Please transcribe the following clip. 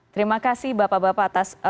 terima kasih bapak bapak atas